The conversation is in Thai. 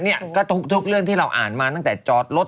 เนี่ยก็ทุกเรื่องที่เราอ่านมาตั้งแต่จอดรถ